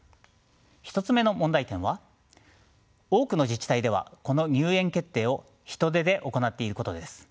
１つ目の問題点は多くの自治体ではこの入園決定を人手で行っていることです。